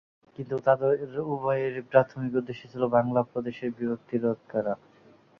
কিন্তু তাঁদের উভয়েরই প্রাথমিক উদ্দেশ্য ছিল বাংলা প্রদেশের বিভক্তি রোধ করা।